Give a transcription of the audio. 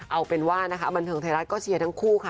เอาเป็นว่านะคะบันเทิงไทยรัฐก็เชียร์ทั้งคู่ค่ะ